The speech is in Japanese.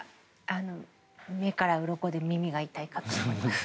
目からうろこで耳が痛いかと思います。